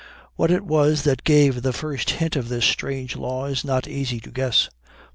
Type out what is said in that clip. What it was that gave the first hint of this strange law is not easy to guess.